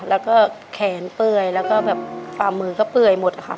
แล้วก็แขนเปื่อยแล้วก็แบบฝ่ามือก็เปื่อยหมดค่ะ